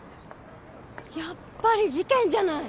やっぱり事件じゃない！